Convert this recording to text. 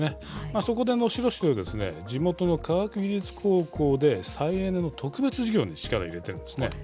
そこで、能代市では地元の科学技術高校で再エネの特別事業に力を入れているんですね。